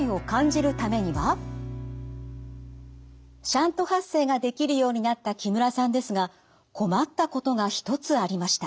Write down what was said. シャント発声ができるようになった木村さんですが困ったことが一つありました。